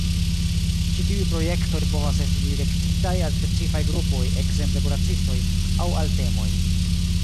Ĉi tiuj projektoj povas esti direktitaj al specifaj grupoj (ekzemple kuracistoj) aŭ al temoj.